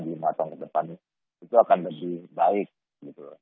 lima tahun ke depan itu akan lebih baik gitu loh